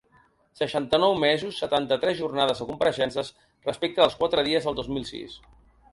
Seixanta-nou mesos, setanta-tres jornades de compareixences, respecte dels quatre dies del dos mil sis.